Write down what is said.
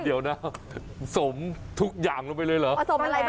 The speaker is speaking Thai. เดี๋ยวนะสมทุกอย่างล่ะไปเลยเหรอ